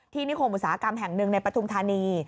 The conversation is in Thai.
ที่นิโฆหมุษากรรมแห่งหนึ่งในปทุมธานี